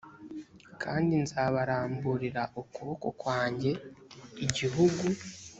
kandi nzabaramburira ukuboko kwanjye igihugu